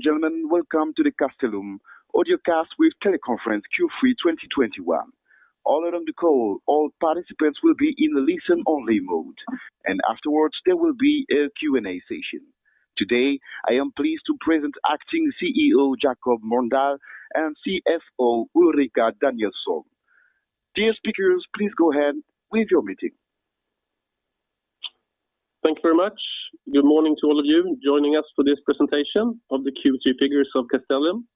Ladies and gentlemen, welcome to the Castellum Audiocast with teleconference Q3 2021. All around the call, all participants will be in the listen-only mode, and afterwards, there will be a Q&A session. Today, I am pleased to present acting CEO Jakob Mörndal and CFO Ulrika Danielsson. Dear speakers, please go ahead with your meeting. Thank you very much. Good morning to all of you joining us for this presentation of the Q3 figures of Castellum.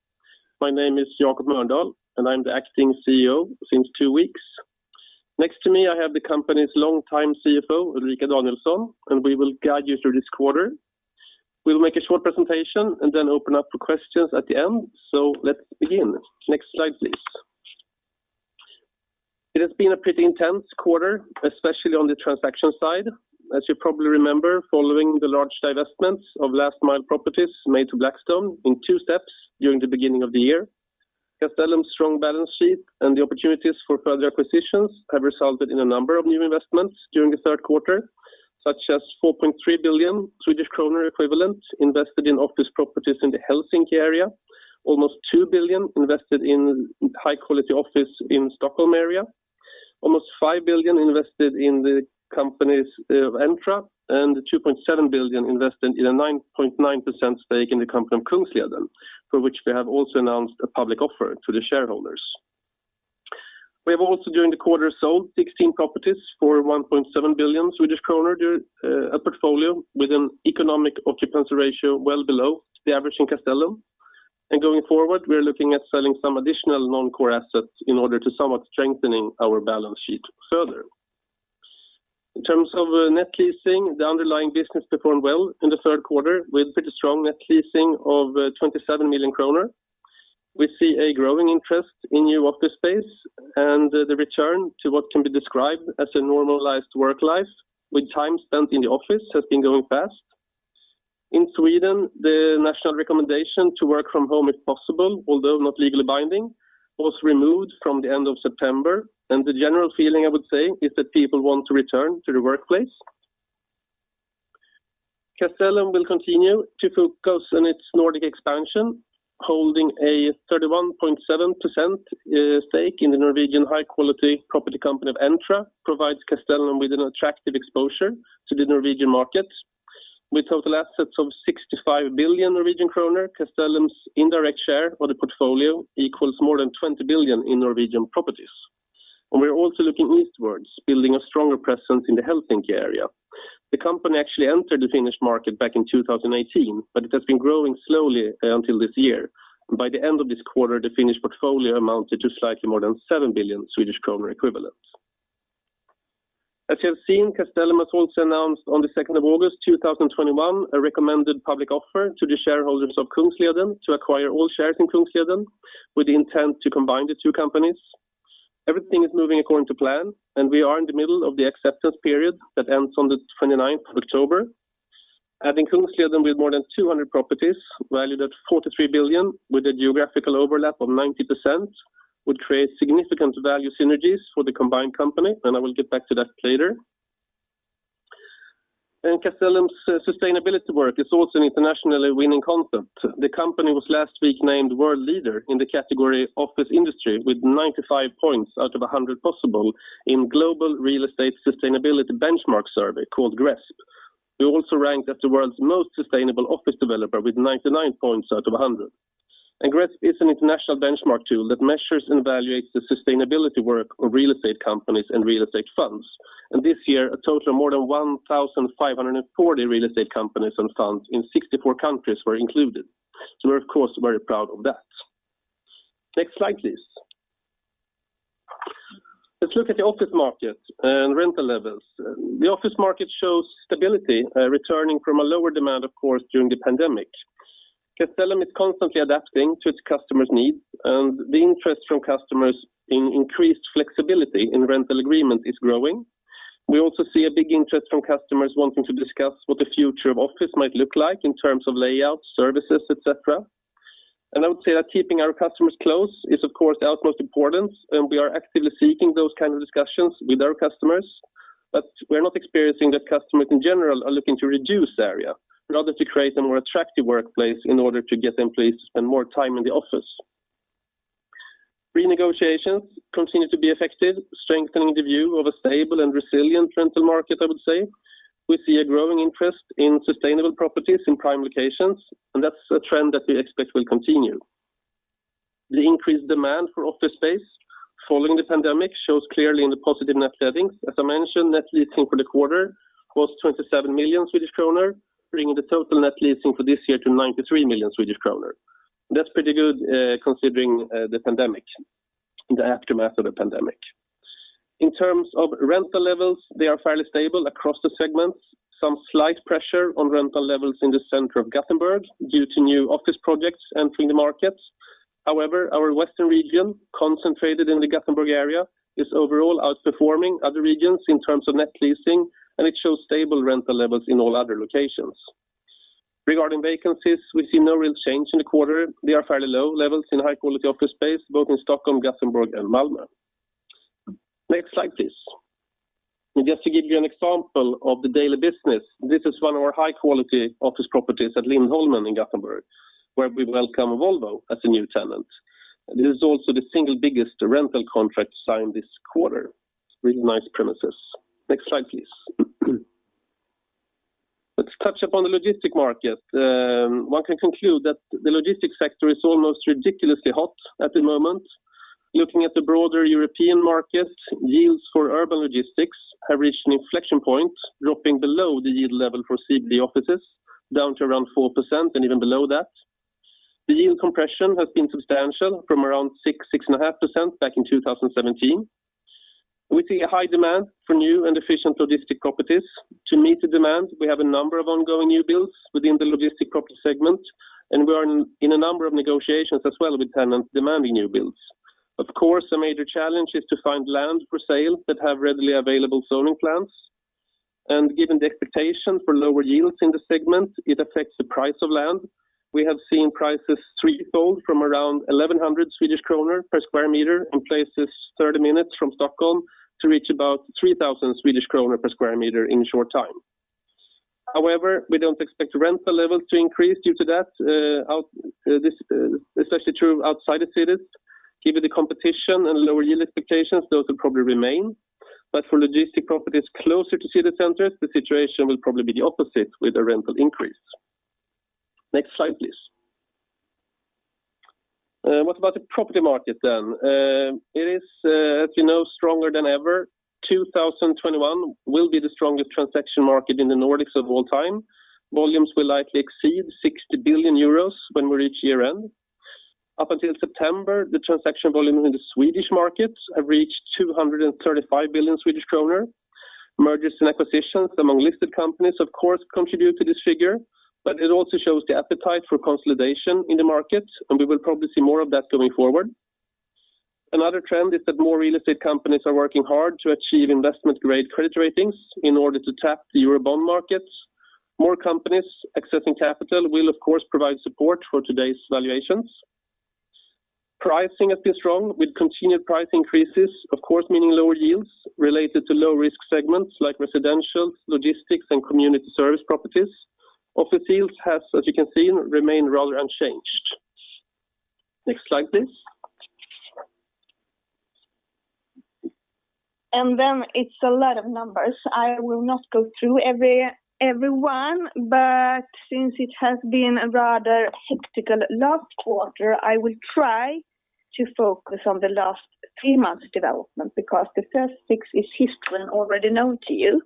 My name is Jakob Mörndal, and I'm the acting CEO since two weeks. Next to me, I have the company's longtime CFO, Ulrika Danielsson, and we will guide you through this quarter. We'll make a short presentation and then open up for questions at the end. Let's begin. Next slide, please. It has been a pretty intense quarter, especially on the transaction side. As you probably remember, following the large divestments of last mile properties made to Blackstone in two steps during the beginning of the year. Castellum's strong balance sheet and the opportunities for further acquisitions have resulted in a number of new investments during the third quarter, such as 4.3 billion Swedish kronor equivalent invested in office properties in the Helsinki area, almost 2 billion invested in high-quality office in Stockholm area, almost 5 billion invested in the companies of Entra, and 2.7 billion invested in a 9.9% stake in the company of Kungsleden, for which we have also announced a public offer to the shareholders. We have also, during the quarter, sold 16 properties for 1.7 billion Swedish kronor, a portfolio with an economic occupancy ratio well below the average in Castellum. Going forward, we are looking at selling some additional non-core assets in order to somewhat strengthening our balance sheet further. In terms of net leasing, the underlying business performed well in the third quarter with pretty strong net leasing of 27 million kronor. We see a growing interest in new office space and the return to what can be described as a normalized work life with time spent in the office has been going fast. In Sweden, the national recommendation to work from home if possible, although not legally binding, was removed from the end of September. The general feeling, I would say, is that people want to return to the workplace. Castellum will continue to focus on its Nordic expansion, holding a 31.7% stake in the Norwegian high-quality property company of Entra, provides Castellum with an attractive exposure to the Norwegian market. With total assets of 65 billion Norwegian kroner, Castellum's indirect share of the portfolio equals more than 20 billion in Norwegian properties. We are also looking eastwards, building a stronger presence in the Helsinki area. The company actually entered the Finnish market back in 2018, but it has been growing slowly until this year. By the end of this quarter, the Finnish portfolio amounted to slightly more than 7 billion Swedish kronor equivalent. As you have seen, Castellum has also announced on the 2nd of August 2021, a recommended public offer to the shareholders of Kungsleden to acquire all shares in Kungsleden with the intent to combine the two companies. Everything is moving according to plan, and we are in the middle of the acceptance period that ends on the 29th of October. Adding Kungsleden with more than 200 properties valued at 43 billion with a geographical overlap of 90%, would create significant value synergies for the combined company, and I will get back to that later. Castellum's sustainability work is also an internationally winning concept. The company was last week named world leader in the category office industry with 95 points out of 100 possible in Global Real Estate Sustainability Benchmark survey called GRESB. We also ranked as the world's most sustainable office developer with 99 points out of 100. GRESB is an international benchmark tool that measures and evaluates the sustainability work of real estate companies and real estate funds. This year, a total of more than 1,540 real estate companies and funds in 64 countries were included. We're, of course, very proud of that. Next slide, please. Let's look at the office market and rental levels. The office market shows stability, returning from a lower demand, of course, during the pandemic. Castellum is constantly adapting to its customers' needs, the interest from customers in increased flexibility in rental agreement is growing. We also see a big interest from customers wanting to discuss what the future of office might look like in terms of layout, services, et cetera. I would say that keeping our customers close is, of course, utmost importance, and we are actively seeking those kind of discussions with our customers. We are not experiencing that customers in general are looking to reduce area rather to create a more attractive workplace in order to get employees to spend more time in the office. Renegotiations continue to be effective, strengthening the view of a stable and resilient rental market, I would say. We see a growing interest in sustainable properties in prime locations, and that's a trend that we expect will continue. The increased demand for office space following the pandemic shows clearly in the positive net lettings. As I mentioned, net leasing for the quarter was 27 million Swedish kronor, bringing the total net leasing for this year to 93 million Swedish kronor. That's pretty good, considering the aftermath of the pandemic. In terms of rental levels, they are fairly stable across the segments. Some slight pressure on rental levels in the center of Gothenburg due to new office projects entering the markets. However, our western region, concentrated in the Gothenburg area, is overall outperforming other regions in terms of net leasing, and it shows stable rental levels in all other locations. Regarding vacancies, we see no real change in the quarter. They are fairly low levels in high-quality office space, both in Stockholm, Gothenburg, and Malmö. Next slide, please. Just to give you an example of the daily business, this is one of our high-quality office properties at Lindholmen in Gothenburg, where we welcome Volvo as a new tenant. This is also the single biggest rental contract signed this quarter. Really nice premises. Next slide, please. Let's catch up on the logistics market. One can conclude that the logistics sector is almost ridiculously hot at the moment. Looking at the broader European market, yields for urban logistics have reached an inflection point, dropping below the yield level for C/D offices, down to around 4% and even below that. The yield compression has been substantial from around 6.5% back in 2017. We see a high demand for new and efficient logistics properties. To meet the demand, we have a number of ongoing new builds within the logistic property segment, and we are in a number of negotiations as well with tenants demanding new builds. Of course, a major challenge is to find land for sale that have readily available zoning plans. Given the expectation for lower yields in the segment, it affects the price of land. We have seen prices threefold from around 1,100 Swedish kronor per square meter in places 30 minutes from Stockholm to reach about 3,000 Swedish kronor per square meter in short time. However, we don't expect rental levels to increase due to that. This is especially true outside the cities. Given the competition and lower yield expectations, those will probably remain. For logistic properties closer to city centers, the situation will probably be the opposite with a rental increase. Next slide, please. What about the property market then? It is, as you know, stronger than ever. 2021 will be the strongest transaction market in the Nordics of all time. Volumes will likely exceed 60 billion euros when we reach year-end. Up until September, the transaction volume in the Swedish markets have reached 235 billion Swedish kronor. Mergers and acquisitions among listed companies, of course, contribute to this figure, but it also shows the appetite for consolidation in the market, and we will probably see more of that going forward. Another trend is that more real estate companies are working hard to achieve investment-grade credit ratings in order to tap the Euro bond markets. More companies accessing capital will, of course, provide support for today's valuations. Pricing has been strong with continued price increases, of course, meaning lower yields related to low-risk segments like residential, logistics, and community service properties. Office yields have, as you can see, remained rather unchanged. Next slide, please. It's a lot of numbers. I will not go through every one, but since it has been a rather hectic last quarter, I will try to focus on the last three months development because the first six is history and already known to you.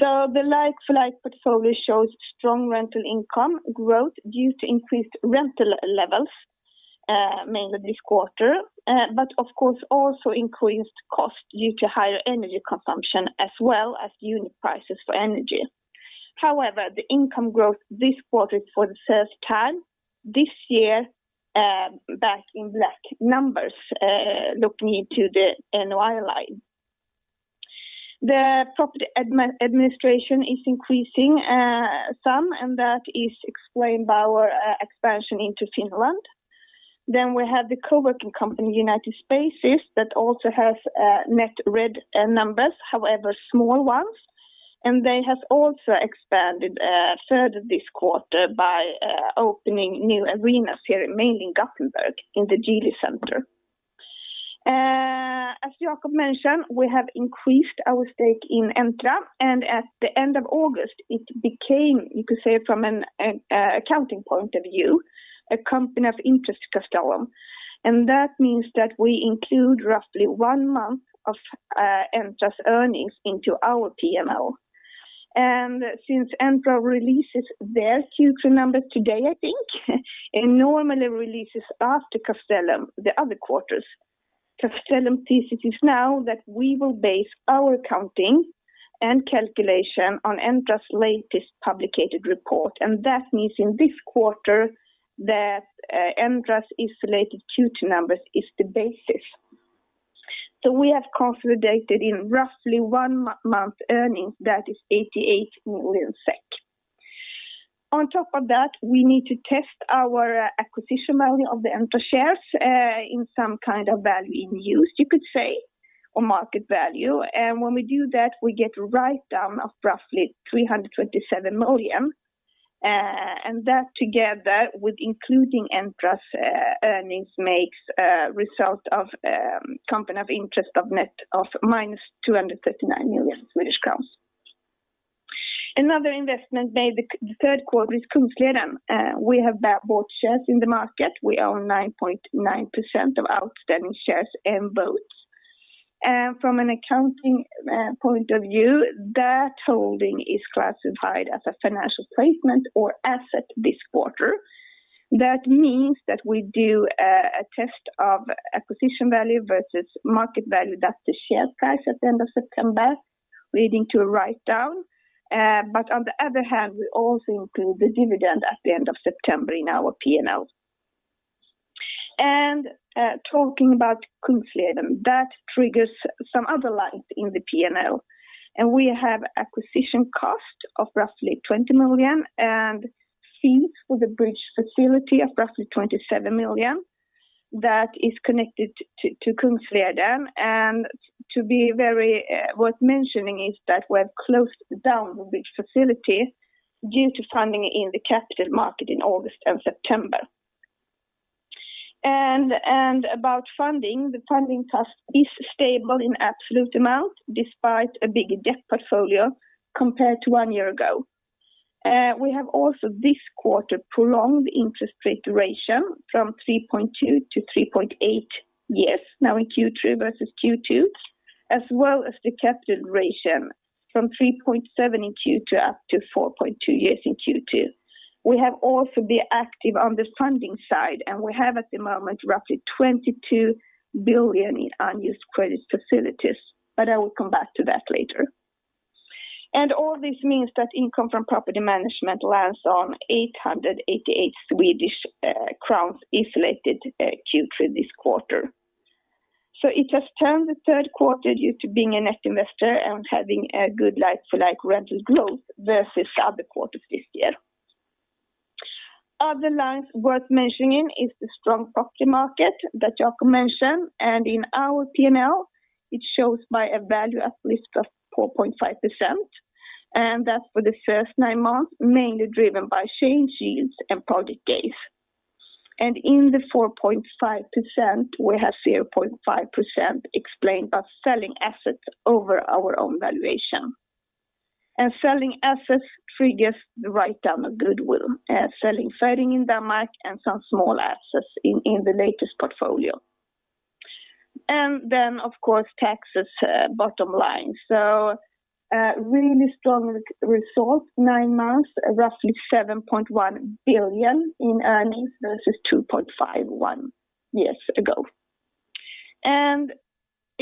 The like-for-like portfolio shows strong rental income growth due to increased rental levels, mainly this quarter, but of course also increased cost due to higher energy consumption as well as unit prices for energy. However, the income growth this quarter for the first time this year back in black numbers, looking into the NOI line. The property administration is increasing some, and that is explained by our expansion into Finland. We have the co-working company, United Spaces, that also has net red numbers, however, small ones, and they have also expanded further this quarter by opening new arenas here, mainly in Gothenburg, in the Geely Center. As Jakob mentioned, we have increased our stake in Entra, and at the end of August, it became, you could say, from an accounting point of view, a company of interest to Castellum. That means that we include roughly one month of Entra's earnings into our P&L. Since Entra releases their Q3 numbers today, I think, it normally releases after Castellum the other quarters. Castellum sees it is now that we will base our accounting and calculation on Entra's latest published report. That means in this quarter that Entra's isolated Q2 numbers is the basis. We have consolidated in roughly one-month earnings, that is 88 million SEK. On top of that, we need to test our acquisition value of the Entra shares in some kind of value in use you could say, or market value. When we do that, we get write-down of roughly 327 million. That together with including Entra's earnings makes a result of company of interest of net of minus 239 million Swedish crowns. Another investment made the third quarter is Kungsgatan. We have bought shares in the market. We own 9.9% of outstanding shares and votes. From an accounting point of view, that holding is classified as a financial placement or asset this quarter. That means that we do a test of acquisition value versus market value. That's the share price at the end of September, leading to a write-down. On the other hand, we also include the dividend at the end of September in our P&L. Talking about Kungsgatan, that triggers some other lines in the P&L. We have acquisition cost of roughly 20 million and fee for the bridge facility of roughly 27 million that is connected to Kungsleden. Worth mentioning is that we have closed down the bridge facility due to funding in the capital market in August and September. About funding, the funding trust is stable in absolute amount despite a big debt portfolio compared to one year ago. We have also this quarter prolonged interest rate duration from 3.2 to 3.8 years now in Q3 versus Q2, as well as the capital duration from 3.7 in Q2 up to 4.2 years in Q2. We have also been active on the funding side, and we have at the moment roughly 22 billion in unused credit facilities, but I will come back to that later. All this means that income from property management lands on 888 Swedish crowns isolated Q3 this quarter. It has turned the third quarter due to being a net investor and having a good like-for-like rental growth versus the other quarters this year. Other lines worth mentioning is the strong property market that Jakob mentioned, and in our P&L it shows by a value at least of 4.5%, and that's for the first nine months, mainly driven by change yields and project gains. In the 4.5%, we have 0.5% explained by selling assets over our own valuation. Selling assets triggers the write-down of goodwill, selling Ferring in Denmark and some small assets in the latest portfolio. Of course, taxes bottom line. A really strong result, nine months, roughly 7.1 billion in earnings versus 2.51 years ago.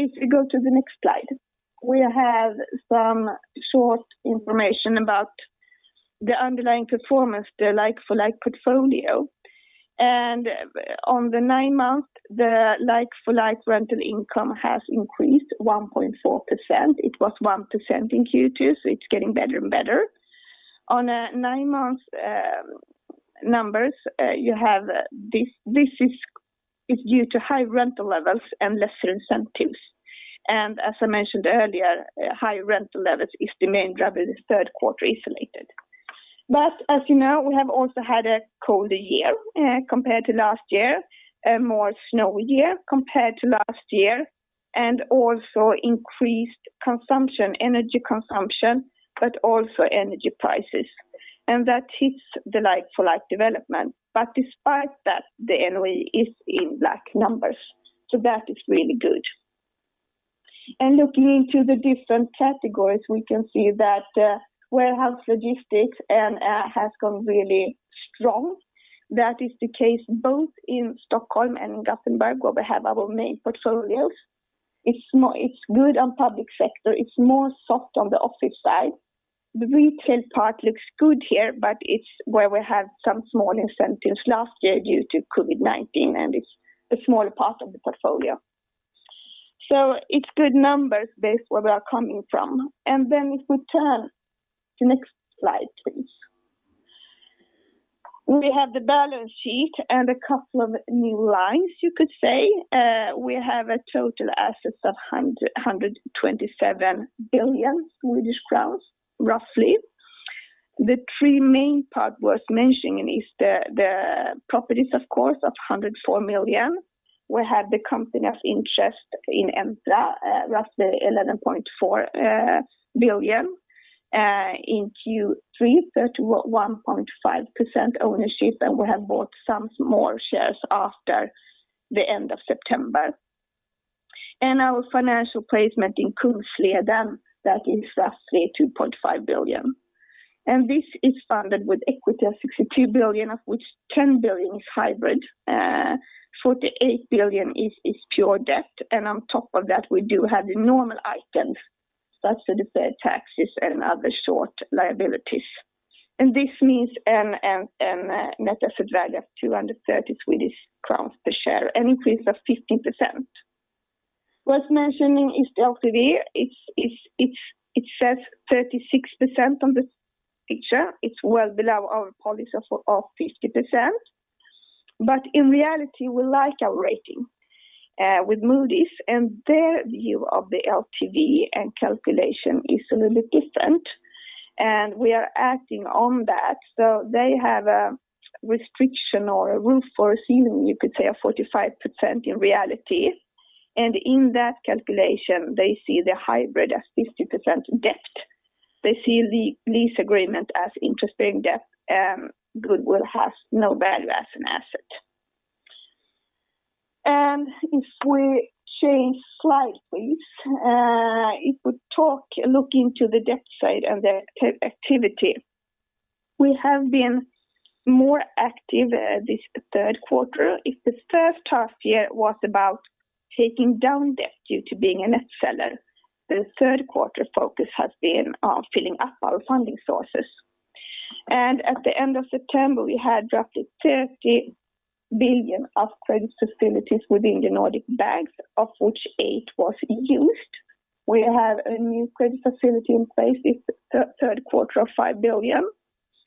If we go to the next slide, we have some short information about the underlying performance, the like-for-like portfolio. On the nine months, the like-for-like rental income has increased 1.4%. It was 1% in Q2, so it is getting better and better. On nine months numbers you have this is due to high rental levels and lesser incentives. As I mentioned earlier, high rental levels is the main driver of the third quarter isolated. But as you know, we have also had a colder year compared to last year, a more snowy year compared to last year, and also increased energy consumption, but also energy prices. That hits the like-for-like development. But despite that, the NOI is in black numbers, so that is really good. Looking into the different categories, we can see that warehouse logistics has gone really strong. That is the case both in Stockholm and Gothenburg, where we have our main portfolios. It's good on public sector. It's more soft on the office side. The retail part looks good here, but it's where we had some small incentives last year due to COVID-19, and it's a small part of the portfolio. It's good numbers based where we are coming from. If we turn to next slide, please. We have the balance sheet and a couple of new lines you could say. We have a total assets of 127 billion Swedish crowns, roughly. The three main part worth mentioning is the properties, of course, of 104 million. We have the company of interest in Entra, roughly 11.4 billion in Q3, 31.5% ownership, and we have bought some more shares after the end of September. Our financial placement in Kungsleden, that is roughly 2.5 billion. This is funded with equity of 62 billion, of which 10 billion is hybrid, 48 billion is pure debt, and on top of that, we do have the normal items such as deferred taxes and other short liabilities. This means net asset value of 230 Swedish crowns per share, an increase of 15%. Worth mentioning is the LTV. It says 36% on the picture. It's well below our policy of 50%. In reality, we like our rating with Moody's, and their view of the LTV and calculation is a little different. We are acting on that. They have a restriction or a roof or a ceiling, you could say, of 45% in reality. In that calculation, they see the hybrid as 50% debt. They see the lease agreement as integral debt. Goodwill has no value as an asset. If we change slide, please. If we look into the debt side of the activity. We have been more active this third quarter. If the first half year was about taking down debt due to being a net seller, the third quarter focus has been on filling up our funding sources. At the end of September, we had roughly 30 billion of credit facilities within the Nordic banks, of which 8 billion was used. We have a new credit facility in place this third quarter of 5 billion.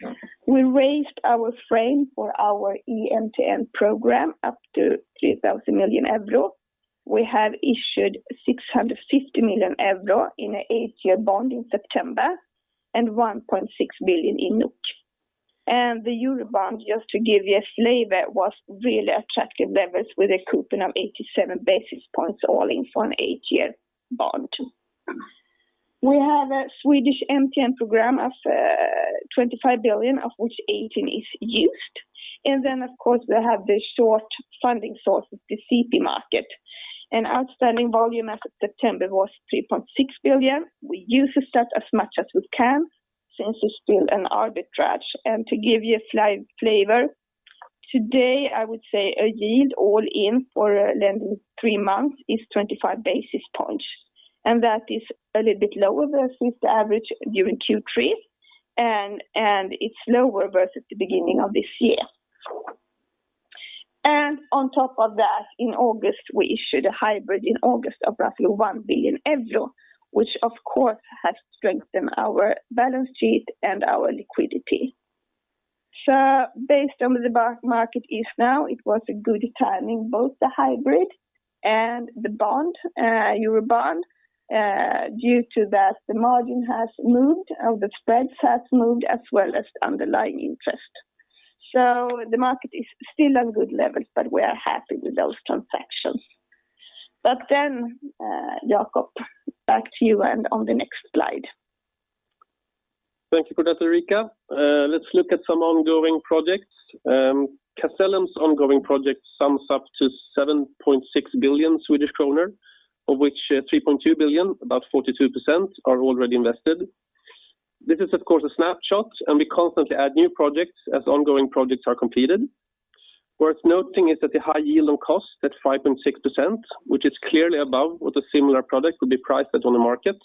Yeah. We raised our frame for our EMTN program up to 3,000 million euro. We have issued 650 million euro in an eight-year bond in September and 1.6 billion. The euro bond, just to give you a flavor, was really attractive levels with a coupon of 87 basis points all in for an eight-year bond. We have a Swedish MTN program of 25 billion, of which 18 billion is used. Of course, we have the short funding source of the CP market. Outstanding volume as of September was 3.6 billion. We use that as much as we can since it's still an arbitrage. To give you a flavor, today, I would say a yield all in for a lending three months is 25 basis points, and that is a little bit lower versus the average during Q3. It's lower versus the beginning of this year. On top of that, in August, we issued a hybrid in August of roughly 1 billion euro, which, of course, has strengthened our balance sheet and our liquidity. Based on where the market is now, it was a good timing, both the hybrid and the eurobond, due to that the margin has moved and the spreads have moved as well as underlying interest. The market is still on good levels, but we are happy with those transactions. Jakob, back to you and on the next slide. Thank you for that, Ulrika. Let's look at some ongoing projects. Castellum's ongoing project sums up to 7.6 billion Swedish kronor, of which 3.2 billion, about 42%, are already invested. This is, of course, a snapshot, and we constantly add new projects as ongoing projects are completed. Worth noting is that the high yield on cost at 5.6%, which is clearly above what the similar product would be priced at on the market.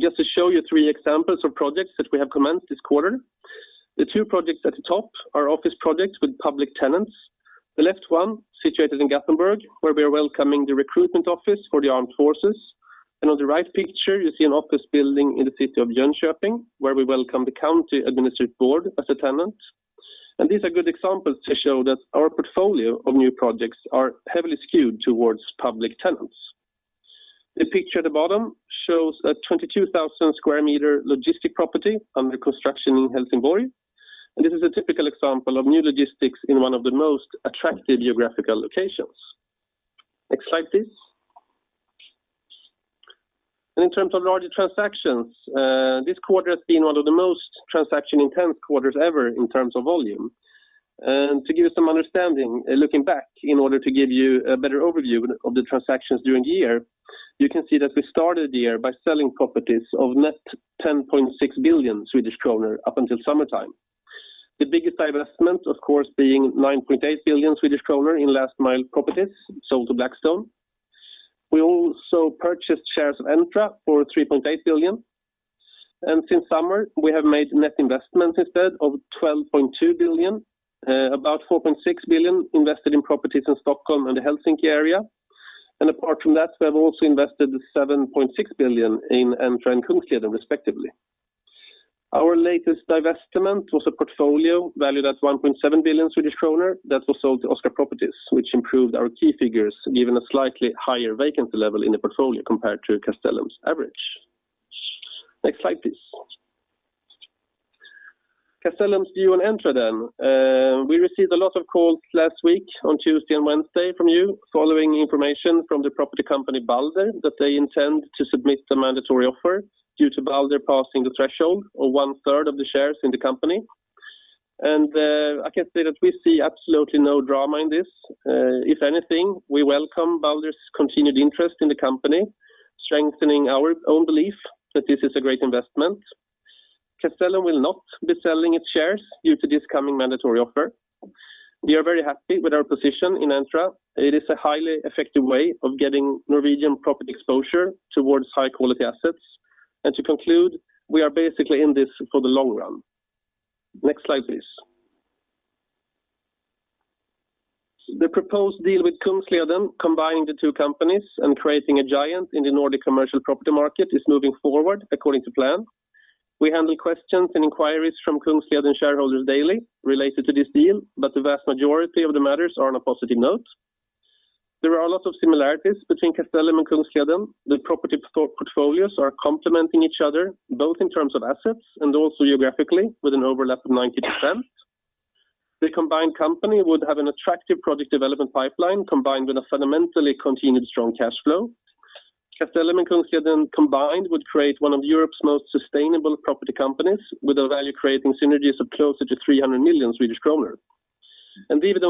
Just to show you three examples of projects that we have commenced this quarter. The two projects at the top are office projects with public tenants. The left one situated in Gothenburg, where we are welcoming the recruitment office for the armed forces. On the right picture, you see an office building in the city of Jönköping, where we welcome the county administrative board as a tenant. These are good examples to show that our portfolio of new projects are heavily skewed towards public tenants. The picture at the bottom shows a 22,000 sq m logistic property under construction in Helsingborg. This is a typical example of new logistics in one of the most attractive geographical locations. Next slide, please. In terms of larger transactions, this quarter has been one of the most transaction-intense quarters ever in terms of volume. To give you an understanding, looking back in order to give you a better overview of the transactions during the year, you can see that we started the year by selling properties of net 10.6 billion Swedish kronor up until summertime. The biggest divestment, of course, being 9.8 billion Swedish kronor in last-mile properties sold to Blackstone. We also purchased shares of Entra for 3.8 billion. Since summer, we have made net investments instead of 12.2 billion, about 4.6 billion invested in properties in Stockholm and the Helsinki area. Apart from that, we have also invested 7.6 billion in Entra and Kungsleden, respectively. Our latest divestment was a portfolio valued at 1.7 billion Swedish kronor that was sold to Oscar Properties, which improved our key figures, given a slightly higher vacancy level in the portfolio compared to Castellum's average. Next slide, please. Castellum's view on Entra then. We received a lot of calls last week on Tuesday and Wednesday from you following information from the property company Balder that they intend to submit the mandatory offer due to Balder passing the threshold of one-third of the shares in the company. I can say that we see absolutely no drama in this. If anything, we welcome Balder's continued interest in the company, strengthening our own belief that this is a great investment. Castellum will not be selling its shares due to this coming mandatory offer. We are very happy with our position in Entra. It is a highly effective way of getting Norwegian property exposure towards high-quality assets. To conclude, we are basically in this for the long run. Next slide, please. The proposed deal with Kungsleden, combining the two companies and creating a giant in the Nordic commercial property market, is moving forward according to plan. We handle questions and inquiries from Kungsleden shareholders daily related to this deal, but the vast majority of the matters are on a positive note. There are a lot of similarities between Castellum and Kungsleden. The property portfolios are complementing each other, both in terms of assets and also geographically with an overlap of 90%. The combined company would have an attractive project development pipeline combined with a fundamentally continued strong cash flow. Castellum and Kungsleden combined would create one of Europe's most sustainable property companies with value-creating synergies of closer to 300 million Swedish kronor. Even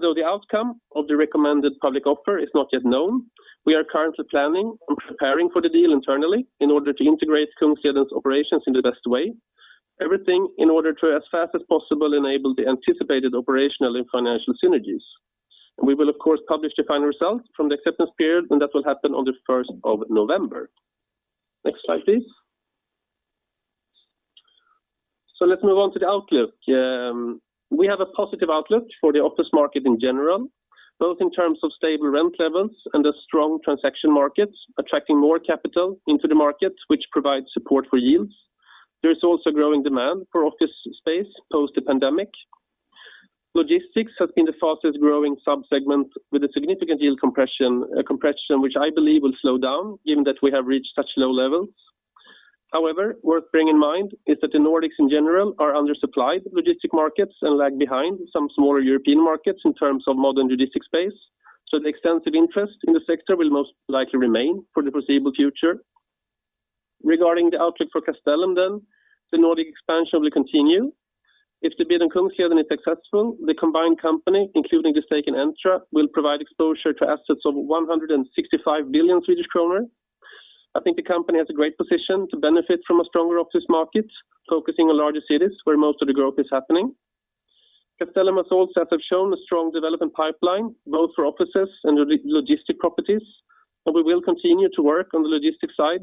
though the outcome of the recommended public offer is not yet known, we are currently planning and preparing for the deal internally in order to integrate Kungsleden's operations in the best way. Everything in order to, as fast as possible, enable the anticipated operational and financial synergies. We will, of course, publish the final results from the acceptance period, and that will happen on the 1st of November. Next slide, please. Let's move on to the outlook. We have a positive outlook for the office market in general, both in terms of stable rent levels and the strong transaction markets attracting more capital into the market, which provides support for yields. There is also growing demand for office space post the pandemic. Logistics has been the fastest-growing sub-segment with a significant yield compression, a compression which I believe will slow down given that we have reached such low levels. However, worth bearing in mind is that the Nordics in general are under-supplied logistic markets and lag behind some smaller European markets in terms of modern logistic space. The extensive interest in the sector will most likely remain for the foreseeable future. Regarding the outlook for Castellum then, the Nordic expansion will continue. If the bid on Kungsleden is successful, the combined company, including the stake in Entra, will provide exposure to assets of 165 billion Swedish kronor. I think the company has a great position to benefit from a stronger office market, focusing on larger cities where most of the growth is happening. Castellum has also, as I've shown, a strong development pipeline, both for offices and logistics properties. We will continue to work on the logistics side,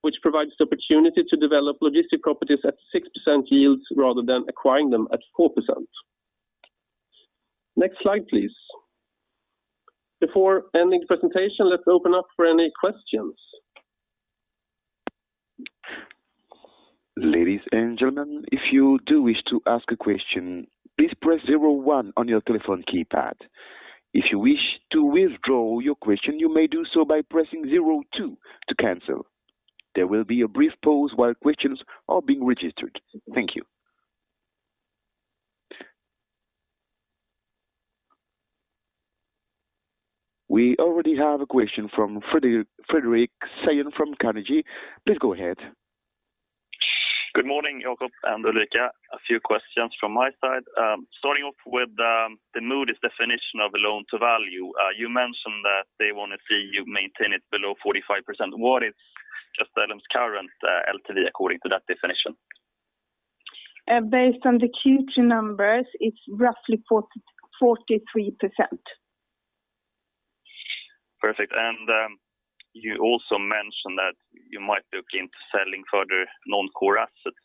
which provides the opportunity to develop logistics properties at 6% yields rather than acquiring them at 4%. Next slide, please. Before ending the presentation, let's open up for any questions. We already have a question from Fredrik Stensved from Carnegie. Please go ahead. Good morning, Jakob and Ulrika. A few questions from my side. Starting off with the Moody's definition of a loan-to-value. You mentioned that they want to see you maintain it below 45%. What is Castellum's current LTV according to that definition? Based on the Q2 numbers, it's roughly 43%. Perfect. You also mentioned that you might look into selling further non-core assets.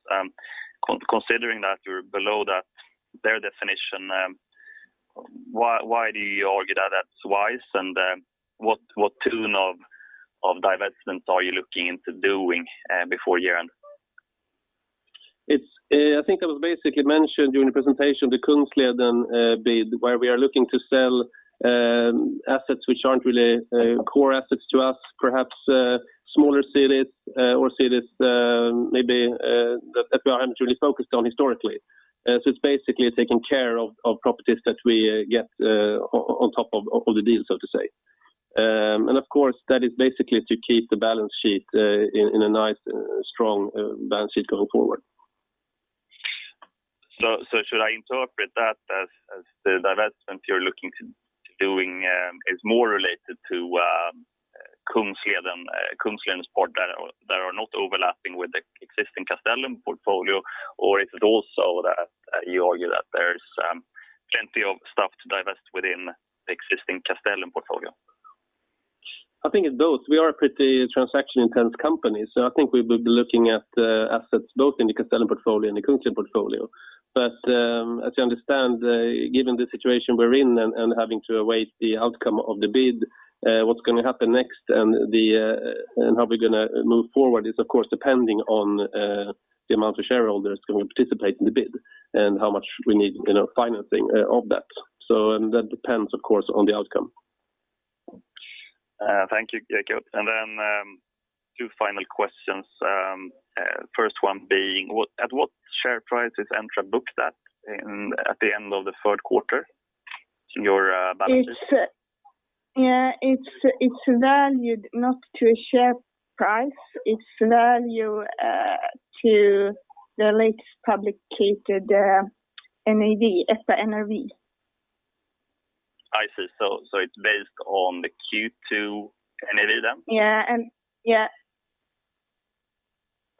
Considering that you're below their definition, why do you argue that that's wise, and what tune of divestments are you looking into doing before year-end? I think I basically mentioned during the presentation, the Kungsleden bid, where we are looking to sell assets which aren't really core assets to us. Perhaps smaller cities or cities maybe that we haven't really focused on historically. It's basically taking care of properties that we get on top of the deal, so to say. Of course, that is basically to keep the balance sheet in a nice, strong balance sheet going forward. Should I interpret that as the divestments you're looking to doing is more related to Kungsleden's part that are not overlapping with the existing Castellum portfolio? Or is it also that you argue that there's plenty of stuff to divest within the existing Castellum portfolio? I think it's both. We are a pretty transaction-intense company, so I think we will be looking at assets both in the Castellum portfolio and the Kungsleden portfolio. As you understand, given the situation we're in and having to await the outcome of the bid, what's going to happen next and how we're going to move forward is, of course, depending on the amount of shareholders going to participate in the bid and how much we need financing of that. That depends, of course, on the outcome. Thank you, Jakob. Two final questions. First one being, at what share price is Entra booked at at the end of the third quarter in your balances? It's valued not to a share price. It's valued to the latest published NAV, EPRA NRV. I see. It's based on the Q2 NAV then? Yeah.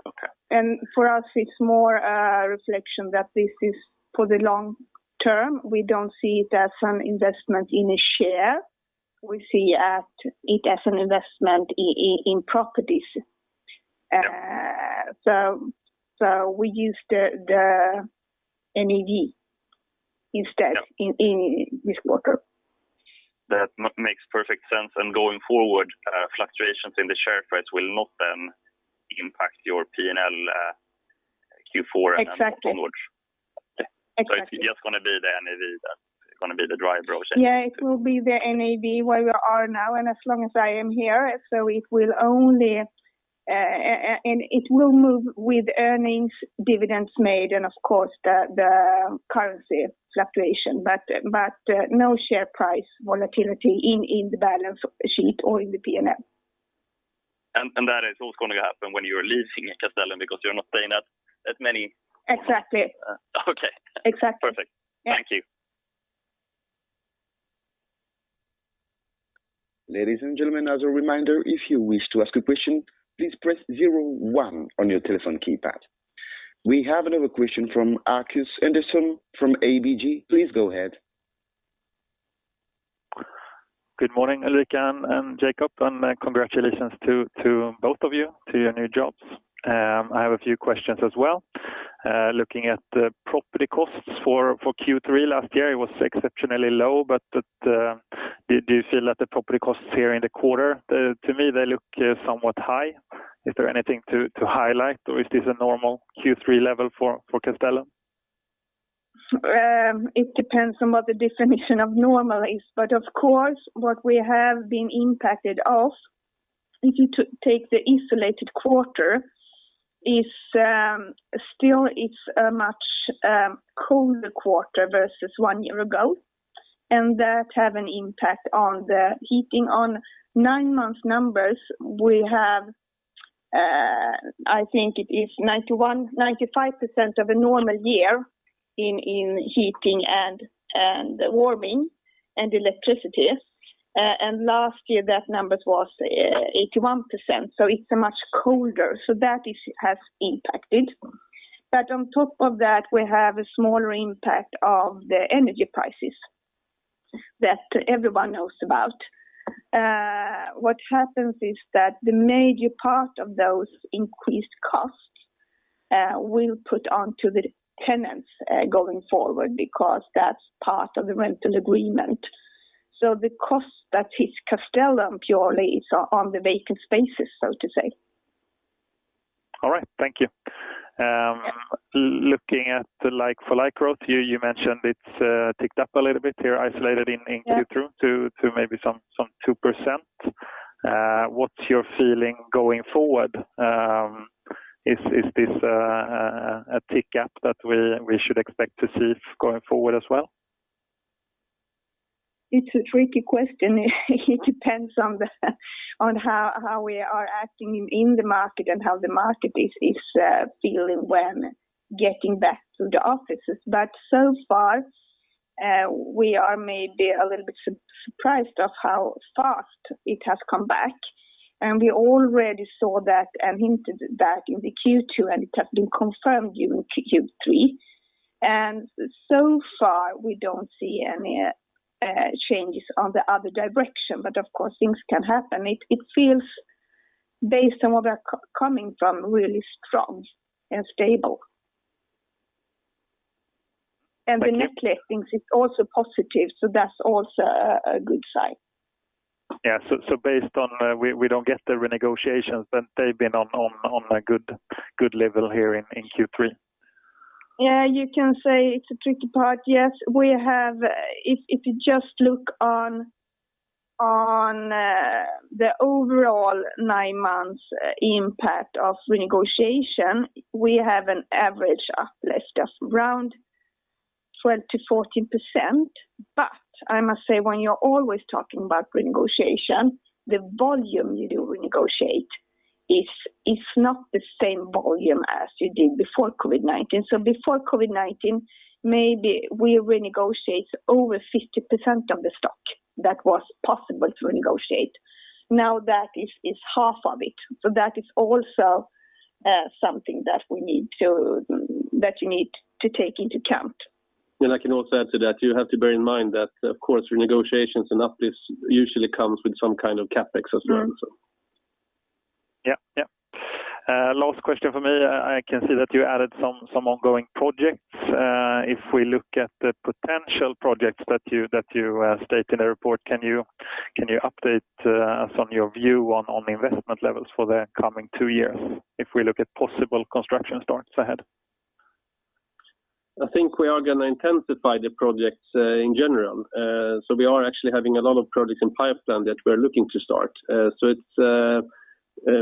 Okay. For us, it's more a reflection that this is for the long term. We don't see it as an investment in a share. We see it as an investment in properties. Yeah. We use the NAV instead in this quarter. That makes perfect sense. Going forward, fluctuations in the share price will not then impact your P&L Q4 and then onwards. Exactly. It's just going to be the NAV that going to be the driver going forward. Yeah, it will be the NAV where we are now, and as long as I am here. It will move with earnings, dividends made, and of course, the currency fluctuation. No share price volatility in the balance sheet or in the P&L. That is also going to happen when you are leaving Castellum because you're not staying. Exactly. Okay. Exactly. Perfect. Yeah. Thank you. Ladies and gentlemen, as a reminder, if you wish to ask a question, please press zero one on your telephone keypad. We have another question from Akis Anderson from ABG. Please go ahead. Good morning, Ulrika and Jakob. Congratulations to both of you to your new jobs. I have a few questions as well. Looking at the property costs for Q3 last year, it was exceptionally low. Do you feel that the property costs here in the quarter, to me, they look somewhat high? Is there anything to highlight, or is this a normal Q3 level for Castellum? It depends on what the definition of normal is. Of course, what we have been impacted of, if you take the insulated quarter, still it's a much colder quarter versus one year ago, and that has an impact on the heating. On 9-month numbers, we have, I think it is 95% of a normal year in heating and warming and electricity. Last year, that number was 81%, so it's much colder. That has impacted. On top of that, we have a smaller impact of the energy prices that everyone knows about. What happens is that the major part of those increased costs will put onto the tenants going forward because that's part of the rental agreement. The cost that hits Castellum purely is on the vacant spaces, so to say. All right. Thank you. Looking at the like-for-like growth, you mentioned it's ticked up a little bit here, isolated in Q3 to maybe some 2%. What's your feeling going forward? Is this a tick up that we should expect to see going forward as well? It's a tricky question. It depends on how we are acting in the market and how the market is feeling when getting back to the offices. So far, we are maybe a little bit surprised of how fast it has come back. We already saw that and hinted that in the Q2, and it has been confirmed during Q3. So far, we don't see any changes on the other direction. Of course, things can happen. It feels based on where we are coming from, really strong and stable. The net leasing is also positive, so that's also a good sign. Yeah. Based on we don't get the renegotiations then they've been on a good level here in Q3. Yeah, you can say it's a tricky part. Yes. If you just look on the overall nine months impact of renegotiation, we have an average uplift of around 20%-40%. I must say, when you're always talking about renegotiation, the volume you do renegotiate is not the same volume as you did before COVID-19. Before COVID-19, maybe we renegotiate over 50% of the stock that was possible to negotiate. Now that is half of it. That is also something that you need to take into account. I can also add to that. You have to bear in mind that, of course, renegotiations and uplifts usually comes with some kind of CapEx as well. Yeah. Last question from me. I can see that you added some ongoing projects. If we look at the potential projects that you state in the report, can you update us on your view on investment levels for the coming two years if we look at possible construction starts ahead? I think we are going to intensify the projects in general. We are actually having a lot of projects in pipeline that we are looking to start. It's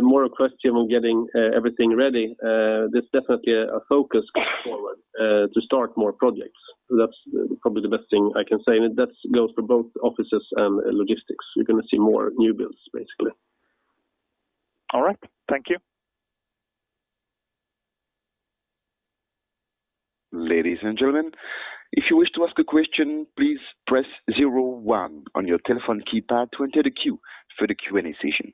more a question of getting everything ready. There's definitely a focus going forward to start more projects. That's probably the best thing I can say. That goes for both offices and logistics. We're going to see more new builds, basically. All right. Thank you. Ladies and gentlemen, if you wish to ask a question, please press zero one on your telephone keypad to enter the queue for the Q&A session.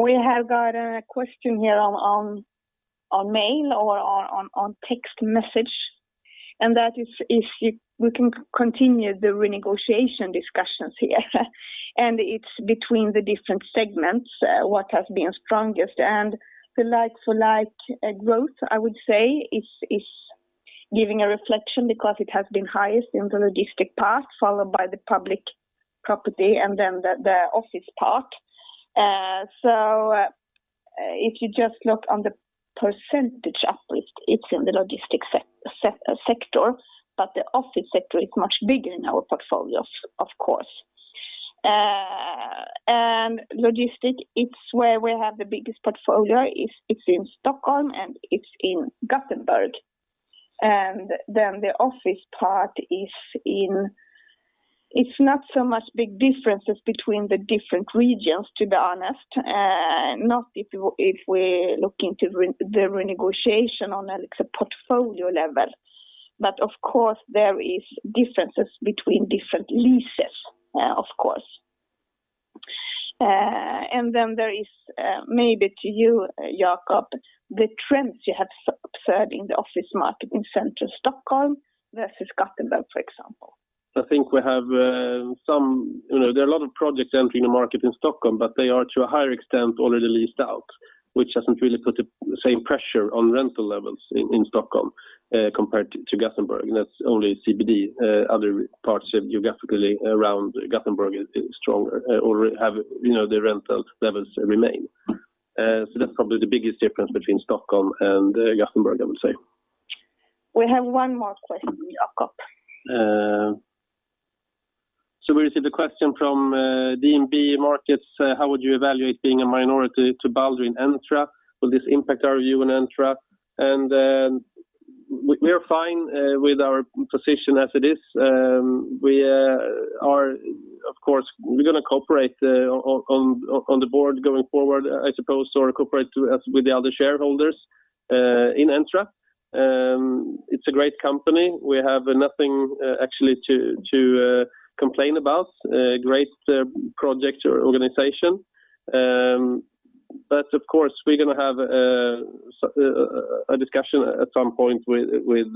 We have got a question here on mail or on text message, that is if we can continue the renegotiation discussions here. It's between the different segments, what has been strongest. The like-for-like growth, I would say, is giving a reflection because it has been highest in the logistic part, followed by the public property and then the office part. If you just look on the percentage uplift, it's in the logistics sector, but the office sector is much bigger in our portfolio, of course. Logistics, it's where we have the biggest portfolio. It's in Stockholm and it's in Gothenburg. The office part, it's not so much big differences between the different regions, to be honest, not if we're looking to the renegotiation on a portfolio level. Of course, there is differences between different leases, of course. There is maybe to you, Jakob, the trends you have observed in the office market in central Stockholm versus Gothenburg, for example. I think there are a lot of projects entering the market in Stockholm. They are to a higher extent already leased out, which doesn't really put the same pressure on rental levels in Stockholm compared to Gothenburg. That's only CBD. Other parts geographically around Gothenburg is stronger or the rental levels remain. That's probably the biggest difference between Stockholm and Gothenburg, I would say. We have one more question, Jakob. We received a question from DNB Markets. How would you evaluate being a minority to Balder in Entra? Will this impact our view on Entra? We are fine with our position as it is. We are going to cooperate on the board going forward, I suppose, or cooperate with the other shareholders in Entra. It's a great company. We have nothing actually to complain about. Great project organization. Of course, we're going to have a discussion at some point with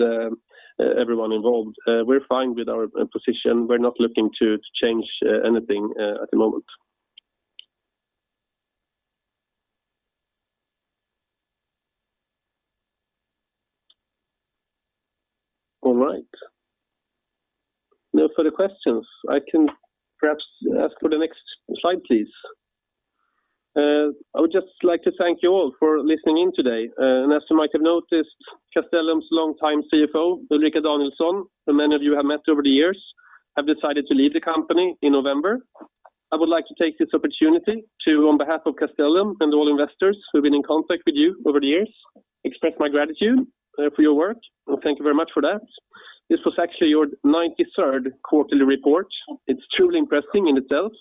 everyone involved. We're fine with our position. We're not looking to change anything at the moment. All right. No further questions. I can perhaps ask for the next slide, please. I would just like to thank you all for listening in today. As you might have noticed, Castellum's longtime CFO, Ulrika Danielsson, who many of you have met over the years, have decided to leave the company in November. I would like to take this opportunity to, on behalf of Castellum and all investors who've been in contact with you over the years, express my gratitude for your work, and thank you very much for that. This was actually your 93rd quarterly report. It's truly impressing in itself,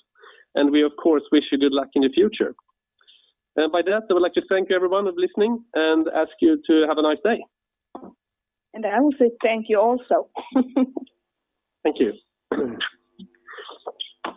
and we of course wish you good luck in the future. By that, I would like to thank everyone of listening and ask you to have a nice day. I will say thank you also. Thank you.